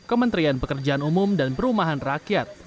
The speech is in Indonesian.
kementerian pekerjaan umum dan perumahan rakyat